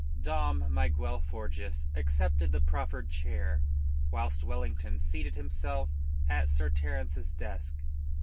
Dom Miguel Forjas accepted the proffered chair, whilst Wellington seated himself at Sir Terence's desk.